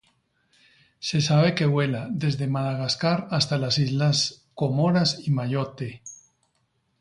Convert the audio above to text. Se sabe que vuela desde Madagascar hasta las islas Comoras y Mayotte.